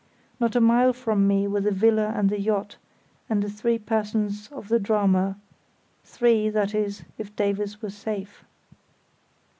Not a mile from me were the villa and the yacht, and the three persons of the drama—three, that is, if Davies were safe.